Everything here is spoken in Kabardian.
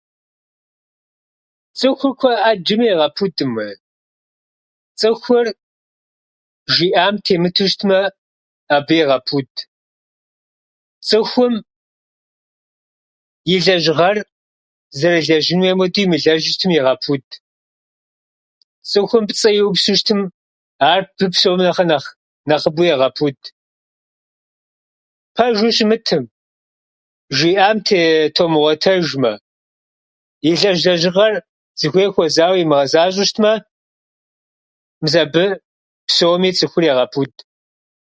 Цӏыхур куэ- ӏэджэми егъэпудым уей. Цӏыхур жиӏам темыту щытмэ, абы егъэпуд. Цӏыхум и лэжьыгъэр зэрылэжьын хуейм хуэдэу имылэжьу щытмэ, абы егъэпуд. Цӏыхум пцӏы иупсу щытмэ, ар абы псом нэхъ нэхъыбэу егъэпуд. Пэжу щымытым, жиӏам тее- тумыгъуэтэжмэ, илэжь лэжьыгъэр зыхуей хуэзауэ имыгъэзащӏэу щытмэ, мис абы псоми цӏыхур егъэпуд.